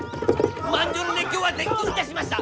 満場の熱狂は絶叫に達しました！